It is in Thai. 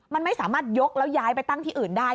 มันไม่สามารถยกแล้วย้ายไปตั้งที่อื่นได้